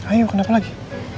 ayu kenapa lagi